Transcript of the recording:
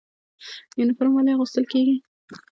یونفورم ولې اغوستل کیږي؟